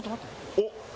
おっ！